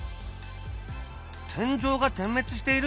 天井が点滅している？